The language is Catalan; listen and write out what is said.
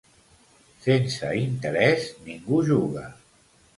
Sense interès, ningú juga.